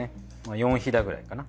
４ひだくらいかな。